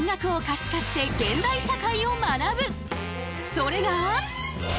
それが。